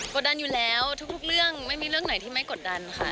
ดันอยู่แล้วทุกเรื่องไม่มีเรื่องไหนที่ไม่กดดันค่ะ